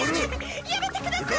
やめてください！